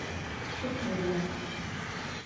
Şükhêblağ!